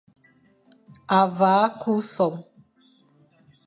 A vagha ku som,